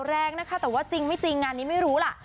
แต่ว่าจริงหรือไม่จริงอันนี้ไม่รู้แหละ